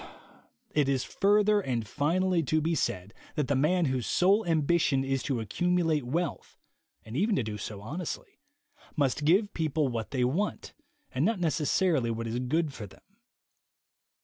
It is further and finally to be said that the man whose sole ambition is to accumulate wealth (and even to do so honestly), must give people what they want and not necessarily what is good for them.